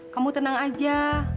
kamu tenang aja